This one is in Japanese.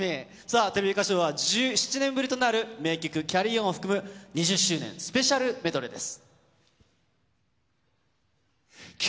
テレビ歌唱は１７年ぶりとなる名曲『ＣａｒｒｙＯｎ』を含む、２０周年スペシャルメドレーです。